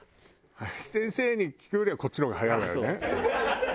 林先生に聞くよりはこっちの方が早いわよね。